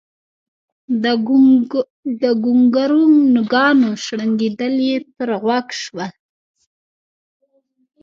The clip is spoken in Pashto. د ګونګرونګانو شړنګېدل يې تر غوږ شول